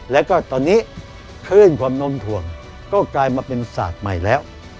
แล้วก็ตอนนี้คลื่นความนมถ่วงก็กลายมาเป็นศาสตร์ใหม่แล้ว